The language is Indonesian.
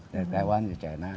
dari taiwan dari china